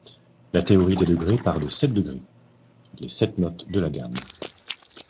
La théorie des degrés part de sept degrés, les sept notes de la gamme.